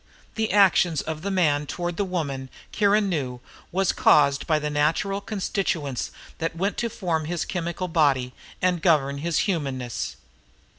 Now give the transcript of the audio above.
The actions of the Man toward the Woman, Kiron knew, was caused by the natural constituents that went to form his chemical body and govern his humanness.